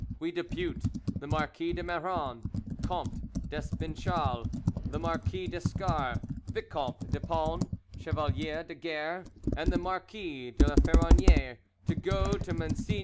"We depute the Marquis de Meran, Comte d'Espinchal, the Marquis d'Escars, Vicomte de Pons, Chevalier de Guer, and the Marquis de la Feronniere to go to Mgr.